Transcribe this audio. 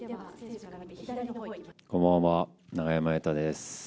こんばんは、永山瑛太です。